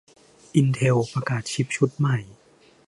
อินเทลประกาศชิปชุดใหม่